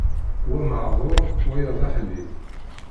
Wa maεduṛ, wayeḍ aḥlil.